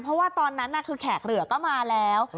เพราะว่าตอนนั้นคือแขกเหลือก็มาแล้ว